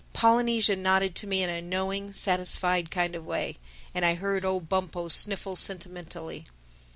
Polynesia nodded to me in a knowing, satisfied kind of way. And I heard old Bumpo sniffle sentimentally.